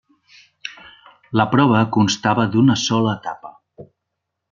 La prova constava d'una sola etapa.